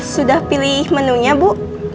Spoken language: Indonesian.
sudah pilih menu nya bu